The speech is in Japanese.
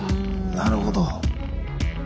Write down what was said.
なるほど。